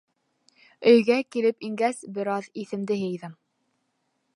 Өйгә килеп ингәс, бер аҙ иҫемде йыйҙым.